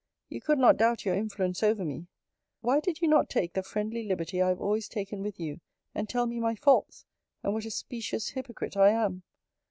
You could not doubt your influence over me: Why did you not take the friendly liberty I have always taken with you, and tell me my faults, and what a specious hypocrite I am?